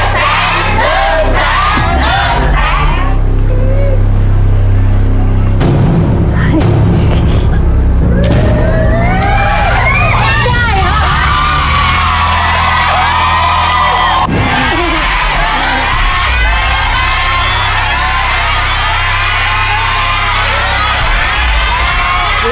เราได้ไปลุ้นกันร้านกันด้วย